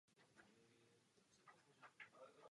Po dvou týdnech byly obnoveny zásobovací lety ke stanici.